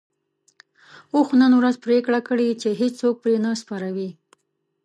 اوښ نن ورځ پرېکړه کړې چې هيڅوک پرې نه سپروي.